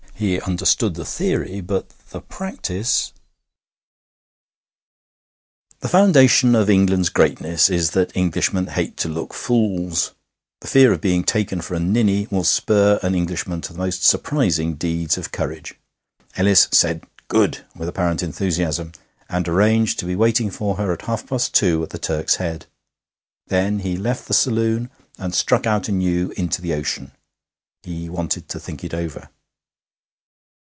He understood the theory. But the practice The foundation of England's greatness is that Englishmen hate to look fools. The fear of being taken for a ninny will spur an Englishman to the most surprising deeds of courage. Ellis said 'Good!' with apparent enthusiasm, and arranged to be waiting for her at half past two at the Turk's Head. Then he left the saloon and struck out anew into the ocean. He wanted to think it over.